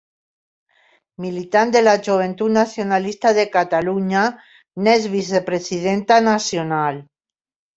Militant de la Joventut Nacionalista de Catalunya, n'és vicepresidenta nacional.